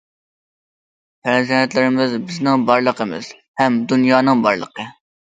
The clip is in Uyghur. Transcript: پەرزەنتلىرىمىز بىزنىڭ بارلىقىمىز ھەم دۇنيانىڭ بارلىقى.